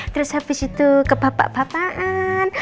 terus habis itu kebapak bapaan